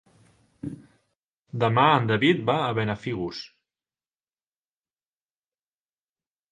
Demà en David va a Benafigos.